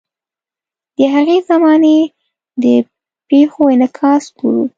د هغې زمانې د پیښو انعکاس ګورو.